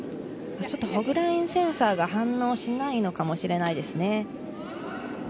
ホッグラインセンサーが反応しないのかもしれないですね。